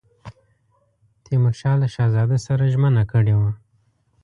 تیمورشاه له شهزاده سره ژمنه کړې وه.